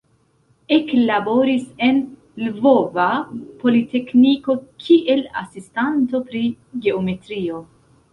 Eklaboris en Lvova Politekniko kiel asistanto pri geometrio.